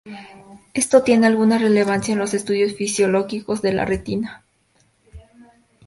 Esto tiene alguna relevancia en los estudios fisiológicos de la retina.